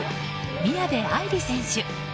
宮部藍梨選手。